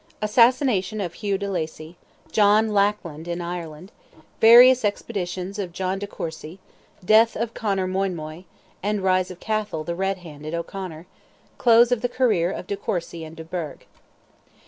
ASSASSINATION OF HUGH DE LACY—JOHN "LACKLAND" IN IRELAND—VARIOUS EXPEDITIONS OF JOHN DE COURCY—DEATH OF CONOR MOINMOY, AND RISE OF CATHAL, "THE RED HANDED" O'CONOR—CLOSE OF THE CAREER OF DE COURCY AND DE BURGH.